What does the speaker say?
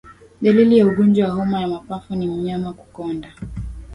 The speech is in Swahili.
Dalili ya ugonjwa wa homa ya mapafu ni mnyama kukonda